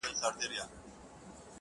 نیکه جانه د هجران لمبو کباب کړم!